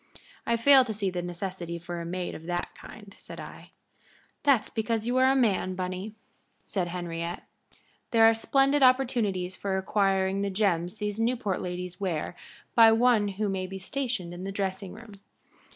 "I fail to see the necessity for a maid of that kind," said I. "That's because you are a man, Bunny," said Henriette. "There are splendid opportunities for acquiring the gems these Newport ladies wear by one who may be stationed in the dressing room.